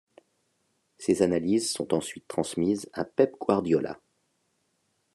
Ses analyses sont ensuite transmises à Pep Guardiola.